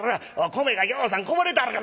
米がぎょうさんこぼれたるがな。